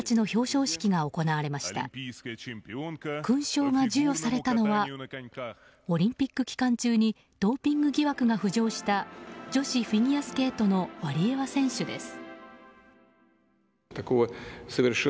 勲章が授与されたのはオリンピック期間中にドーピング疑惑が浮上した女子フィギュアスケートのワリエワ選手です。